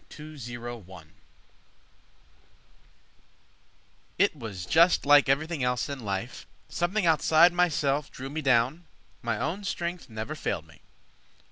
Mickey M'Grew It was just like everything else in life: Something outside myself drew me down, My own strength never failed me.